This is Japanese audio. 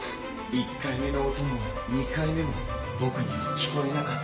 １回目の音も２回目も僕には聞こえなかった。